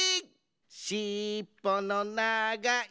「しっぽのながい」